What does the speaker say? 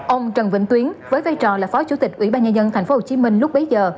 ông trần vĩnh tuyến với vai trò là phó chủ tịch ủy ban nhân dân tp hcm lúc bấy giờ